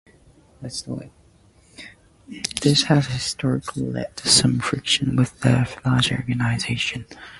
This has historically led to some friction within the larger organization.